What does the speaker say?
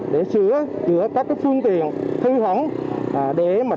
để sửa chữa các phương tiện thư hỏng để đảm bảo